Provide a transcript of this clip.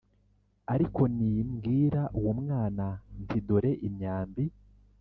Ariko nimbwira uwo mwana nti dore imyambi